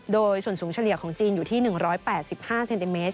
โดยส่วนสูงเฉลี่ยของจีนอยู่ที่๑๘๕เซนติเมตร